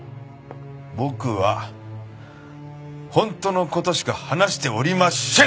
僕は本当の事しか話しておりません！